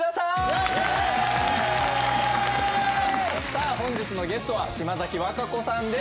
さあ本日のゲストは島崎和歌子さんです